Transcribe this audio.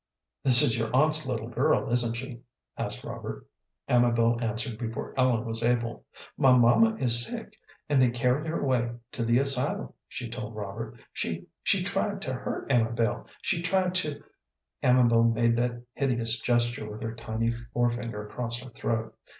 "This is your aunt's little girl, isn't she?" asked Robert. Amabel answered before Ellen was able. "My mamma is sick, and they carried her away to the asylum," she told Robert. "She she tried to hurt Amabel; she tried to" Amabel made that hideous gesture with her tiny forefinger across her throat.